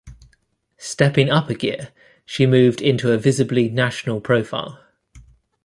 Stepping up a gear she moved into a visibly national profile.